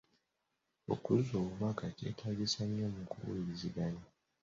Okuzza obubaka kyetaagisa nnyo mu kuwuliziganya.